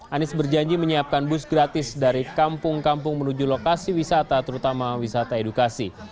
anies berjanji menyiapkan bus gratis dari kampung kampung menuju lokasi wisata terutama wisata edukasi